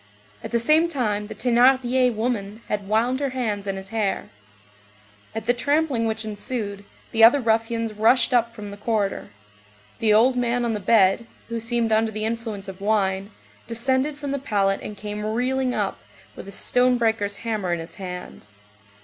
At the same time the Thénardier woman had wound her hands in his hair. At the trampling which ensued, the other ruffians rushed up from the corridor. The old man on the bed, who seemed under the influence of wine, descended from the pallet and came reeling up, with a stone breaker's hammer in his hand.